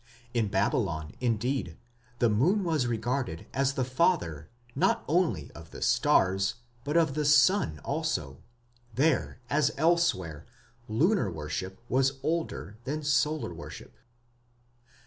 In Babylon, indeed, the moon was regarded as the father not only of the stars but of the sun also; there, as elsewhere, lunar worship was older than solar worship.